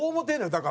だから。